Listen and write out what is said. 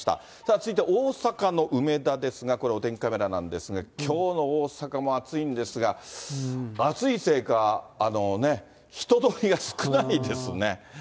続いて大阪の梅田ですが、これ、お天気カメラなんですが、きょうの大阪も暑いんですが、暑いせいか、人通りが少ないですね。